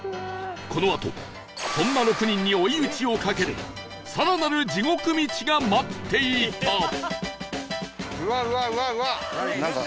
このあとそんな６人に追い打ちをかける更なる地獄道が待っていた